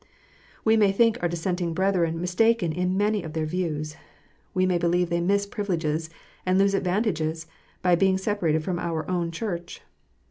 We may think our Dissenting brethren mistaken in many of their views. We may believe they miss privileges and lose advantages by being separated from our own Church.